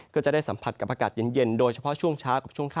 ก็จะได้สัมผัสกับอากาศเย็นโดยเฉพาะช่วงเช้ากับช่วงค่ำ